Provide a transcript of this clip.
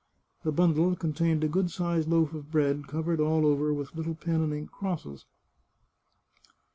The bundle contained a good sized loaf of bread, covered all over with little pen and ink crosses.